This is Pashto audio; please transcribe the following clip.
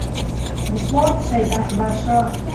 د سوات سیداکبرشاه.